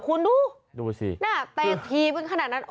คุณดูแต่ทีเพิ่งขนาดนั้น